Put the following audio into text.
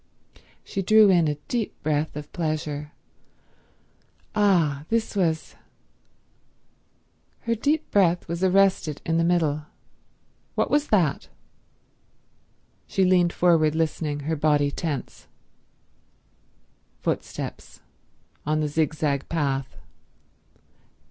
She drew in a deep breath of pleasure. Ah, this was— Her deep breath was arrested in the middle. What was that? She leaned forward listening, her body tense. Footsteps. On the zigzag path.